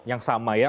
yang sama ya